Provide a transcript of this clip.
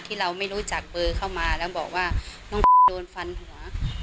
ที่เราไม่รู้จักเบอร์เข้ามาแล้วบอกว่าน้องโดนฟันหัว